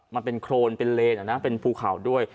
มันเป็นโครนเป็นเลนเป็นภูเขาด้วย